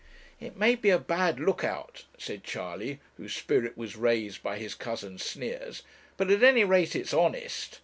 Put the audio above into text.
'It may be a bad look out,' said Charley, whose spirit was raised by his cousin's sneers 'but at any rate it's honest.